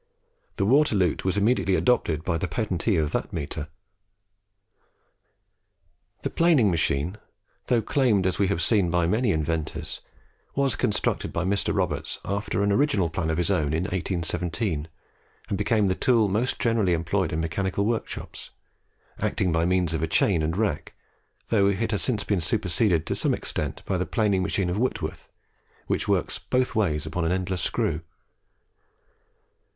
The water lute was immediately adopted by the patentee of that meter. The planing machine, though claimed, as we have seen, by many inventors, was constructed by Mr. Roberts after an original plan of his own in 1817, and became the tool most generally employed in mechanical workshops acting by means of a chain and rack though it has since been superseded to some extent by the planing machine of Whitworth, which works both ways upon an endless screw.